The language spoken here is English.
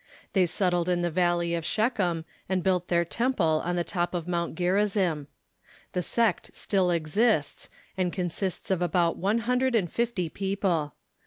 They settled in the valley of Shechem, and built their temple on the top of Mount Gerizim. The sect still exists, and consists of about one hun dred and fifty people.